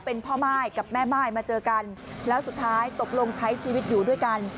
เป็นพ่อม่ายกับแม่ม่ายมาเจอกันแล้วสุดท้ายตกลงใช้ชีวิตอยู่ด้วยกัน